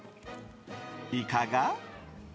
いかが？